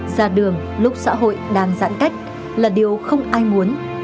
ra đường lúc xã hội đang giãn cách là điều không ai muốn